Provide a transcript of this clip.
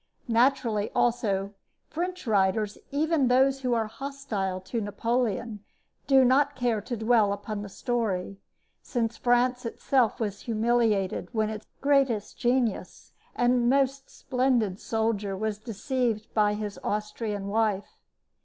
Naturally, also, French writers, even those who are hostile to Napoleon, do not care to dwell upon the story; since France itself was humiliated when its greatest genius and most splendid soldier was deceived by his Austrian wife.